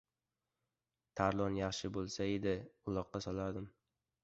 Tarlon yaxshi bo‘lsa edi, uloqqa solardim...